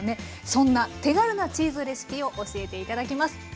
そんな手軽なチーズレシピを教えて頂きます。